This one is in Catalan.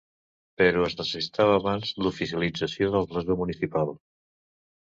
Però es necessitava abans l'oficialització del blasó municipal.